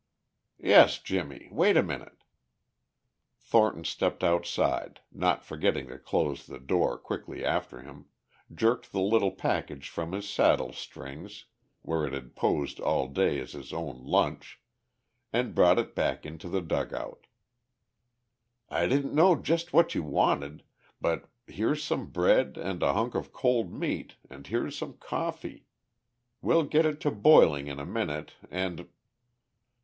"Yes, Jimmie. Wait a minute." Thornton stepped outside, not forgetting to close the door quickly after him, jerked the little package from his saddle strings where it had posed all day as his own lunch, and brought it back into the dugout. "I didn't know just what you wanted, but here's some bread and a hunk of cold meat and here's some coffee. We'll get it to boiling in a minute, and..."